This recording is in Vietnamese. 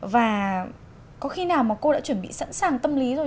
và có khi nào mà cô đã chuẩn bị sẵn sàng tâm lý rồi